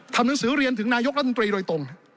ทำหนังสือเรียนถึงนายกรัฐมนตรีโดยตรง